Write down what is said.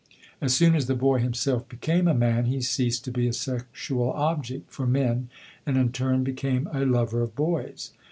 As soon as the boy himself became a man he ceased to be a sexual object for men and in turn became a lover of boys.